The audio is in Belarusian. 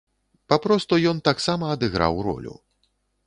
Папросту ён таксама адыграў ролю.